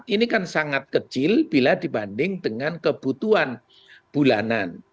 ini kan sangat kecil bila dibanding dengan kebutuhan bulanan